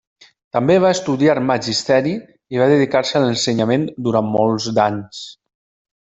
També va estudiar Magisteri i va dedicar-se a l’ensenyament durant molts d’anys.